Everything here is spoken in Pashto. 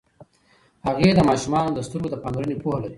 هغې د ماشومانو د سترګو د پاملرنې پوهه لري.